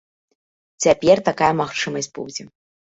Цяпер такая магчымасць будзе.